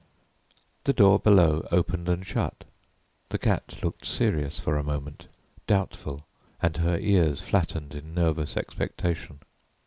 The door below opened and shut. The cat looked serious, for a moment doubtful, and her ears flattened in nervous expectation.